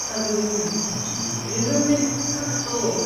Nyathi maioro emayieng’